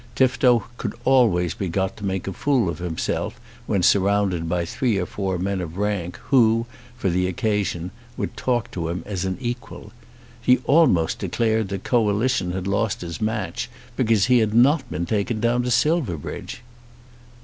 Tifto could always be got to make a fool of himself when surrounded by three or four men of rank who, for the occasion, would talk to him as an equal. He almost declared that Coalition had lost his match because he had not been taken down to Silverbridge.